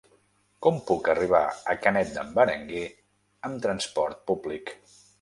Com puc arribar a Canet d'en Berenguer amb transport públic?